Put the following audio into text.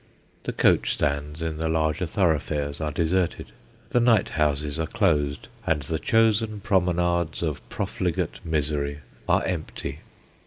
The coach stands in the larger thoroughfares are deserted : the night houses are closed ; and the chosen promenades of profligate misery are empty.